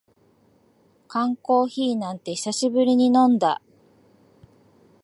缶コーヒーなんて久しぶりに飲んだ